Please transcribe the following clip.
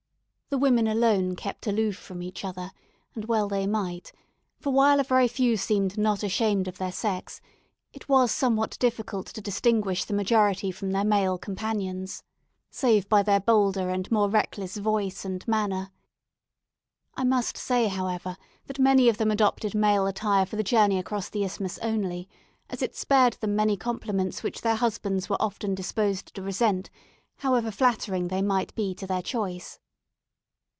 The women alone kept aloof from each other, and well they might; for, while a very few seemed not ashamed of their sex, it was somewhat difficult to distinguish the majority from their male companions, save by their bolder and more reckless voice and manner. I must say, however, that many of them adopted male attire for the journey across the Isthmus only, as it spared them many compliments which their husbands were often disposed to resent, however flattering they might be to their choice.